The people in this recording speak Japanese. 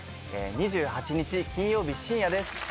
２８日金曜日深夜です。